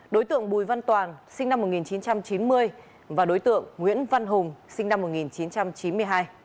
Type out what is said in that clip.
đối tượng bùi văn toàn sinh năm một nghìn chín trăm chín mươi và đối tượng nguyễn văn hùng sinh năm một nghìn chín trăm chín mươi hai